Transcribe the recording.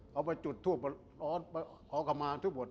เขาไปจุดภาพของขมาทุกบท